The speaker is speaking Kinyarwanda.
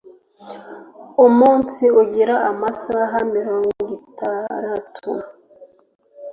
umunsi ugira amasaha mirongitaratu.